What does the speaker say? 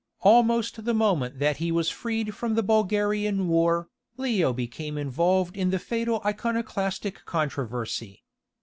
Almost the moment that he was freed from the Bulgarian war, Leo became involved in the fatal Iconoclastic controversy.